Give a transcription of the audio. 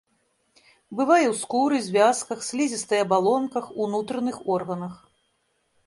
Бывае ў скуры, звязках, слізістай абалонках, унутраных органах.